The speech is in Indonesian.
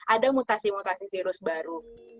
ada mutasi mutasi virus baru